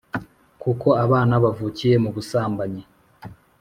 kuko abana bavukiye mu busambanyi